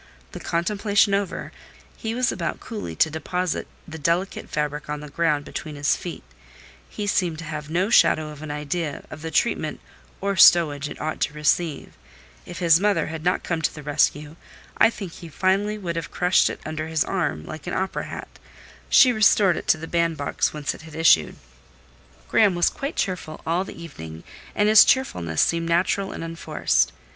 The contemplation over, he was about coolly to deposit the delicate fabric on the ground between his feet; he seemed to have no shadow of an idea of the treatment or stowage it ought to receive: if his mother had not come to the rescue, I think he would finally have crushed it under his arm like an opera hat; she restored it to the band box whence it had issued. Graham was quite cheerful all the evening, and his cheerfulness seemed natural and unforced.